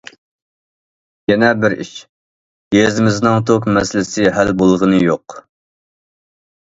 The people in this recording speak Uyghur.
يەنە بىر ئىش، يېزىمىزنىڭ توك مەسىلىسى ھەل بولغىنى يوق.